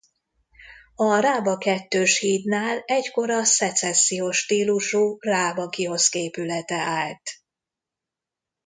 A Rába kettős hídnál egykor a szecessziós stílusú Rába Kioszk épülete állt.